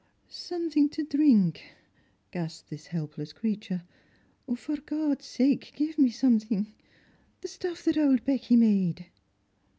" Something to drink," gasped this helpless creature ;" for God's sake give mw something — the stuff that auld Becky made."